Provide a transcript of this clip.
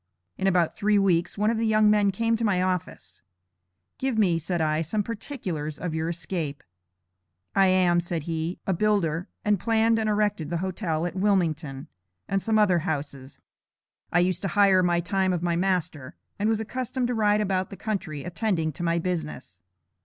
In about three weeks, one of the young men came to my office. Give me, said I, some particulars of your escape. "I am," said he, "a builder, and planned and erected the hotel at Wilmington, and some other houses. I used to hire my time of my master, and was accustomed to ride about the country attending to my business.